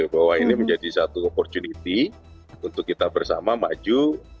bahwa ini menjadi satu opportunity untuk kita bersama maju